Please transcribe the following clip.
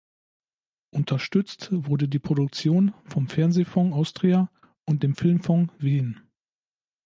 Unterstützt wurde die Produktion vom Fernsehfonds Austria und dem Filmfonds Wien.